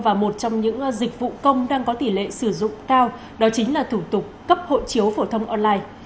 và một trong những dịch vụ công đang có tỷ lệ sử dụng cao đó chính là thủ tục cấp hộ chiếu phổ thông online